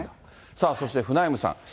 さあ、そしてフナイムさん。